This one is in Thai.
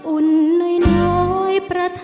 อุ่นหน่อย